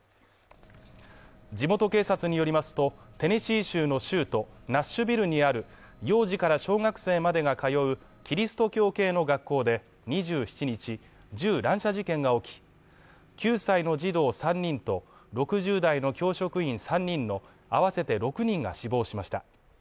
地元警察によりますと、テネシー州の州都ナッシュビルにある幼児から小学生までが通うキリスト教系の学校で２７日、銃乱射事件が起き、９歳の児童３人と６０代の教職員３人のあわせて６人が死亡しました。